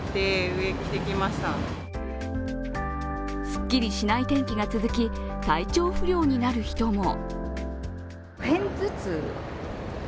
すっきりしない天気が続き体調不良になる人も。